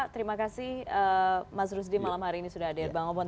terima kasih mas rusdi malam hari ini sudah ada di air bangobon